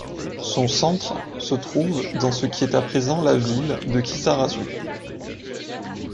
Son centre se trouve dans ce qui est à présent la ville de Kisarazu.